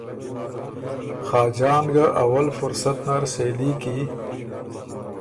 خاجان ګه اول فرصت نر سېلي کی